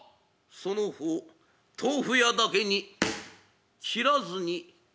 「その方豆腐屋だけに切らずにやったぞ」。